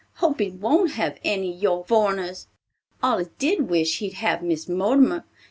"Hope he won't have any your foreigners. Allus did wish he'd have Miss Mortimer.